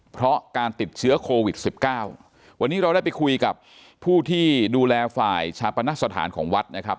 เพราะการติดเชื้อโควิด๑๙วันนี้เราได้ไปคุยกับผู้ที่ดูแลฝ่ายชาปนักสถานของวัด